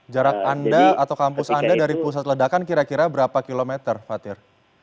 jarak anda atau kampus anda dari pusat ledakan kira kira berapa kilometer fatir